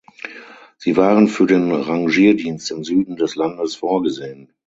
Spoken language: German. Sie waren für den Rangierdienst im Süden des Landes vorgesehen.